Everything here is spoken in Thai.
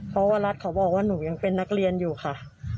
เพราะว่ารัฐเขาบอกว่าหนูยังเป็นนักเรียนอยู่ค่ะ